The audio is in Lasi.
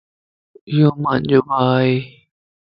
يوما نجو ڀَا ائي